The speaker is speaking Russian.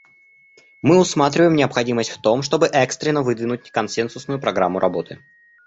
Мы усматриваем необходимость в том, чтобы экстренно выдвинуть консенсусную программу работы.